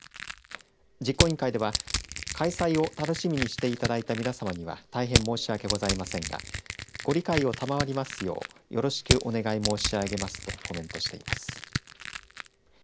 実行委員会では、開催を楽しみにしていただいた皆さまには大変申し訳ございませんがご理解を賜りますようよろしくお願い申し上げますとコメントしています。